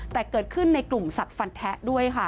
แต่เกิดขึ้นในกลุ่มสัตว์ฟันแท้ด้วยค่ะ